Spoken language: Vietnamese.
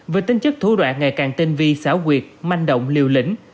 với tinh chất thủ đoạn ngày càng tinh vi xảo quyệt manh động liều lĩnh